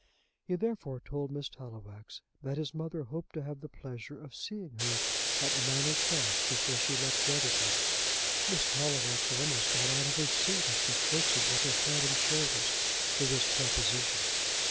He therefore told Miss Tallowax that his mother hoped to have the pleasure of seeing her at Manor Cross before she left Brotherton. Miss Tallowax almost got out of her seat, as she curtseyed with her head and shoulders to this proposition.